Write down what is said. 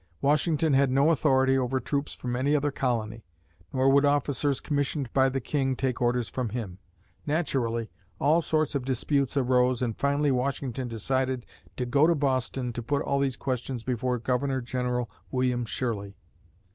Washington had no authority over troops from any other colony, nor would officers commissioned by the King take orders from him. Naturally, all sorts of disputes arose and finally Washington decided to go to Boston to put all these questions before Governor General William Shirley.